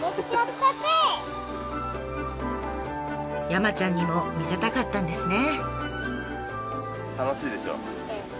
山ちゃんにも見せたかったんですね。